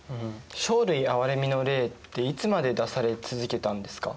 生類憐みの令っていつまで出され続けたんですか？